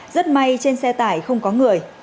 rất may trên xe tải không có người